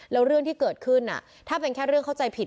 แล้วเรื่องที่เกิดขึ้นถ้าเป็นแค่เรื่องเข้าใจผิด